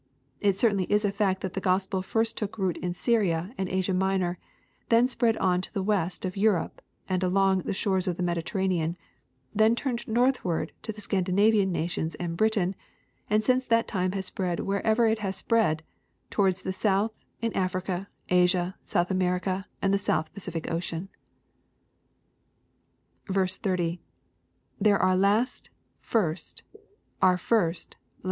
It certainly is a fact that the Gospel first took root in Syria and Asia Minor, then spread on to the West of Europe and along the shores of the Mediterranean, then turned northward to the Scan dinavian nations and Britain, and since that time has spread, wherever it has spread, toward the south, in Africa, Asia, South America, and the South Pacific Ocean. 30. — [There are last,.,first..are fir8t...'